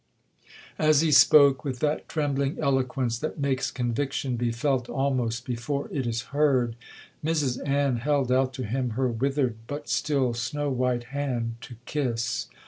'As he spoke with that trembling eloquence that makes conviction be felt almost before it is heard, Mrs Ann held out to him her withered but still snow white hand to kiss.